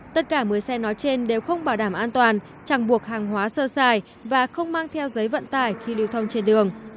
tất cả một mươi xe nói trên đều không bảo đảm an toàn chẳng buộc hàng hóa sơ xài và không mang theo giấy vận tải khi lưu thông trên đường